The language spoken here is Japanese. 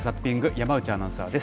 山内アナウンサーです。